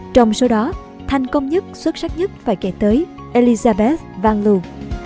trong số đó thành công nhất xuất sắc nhất phải kể tới elizabeth van loo